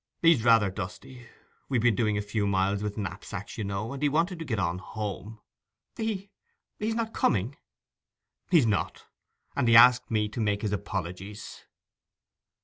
He's rather dusty. We've been doing a few miles with knapsacks, you know; and he wanted to get on home.' 'He—he's not coming?' 'He's not; and he asked me to make his apologies.